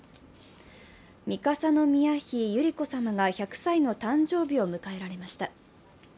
三笠宮妃百合子さまが１００歳の誕生日を迎えられました。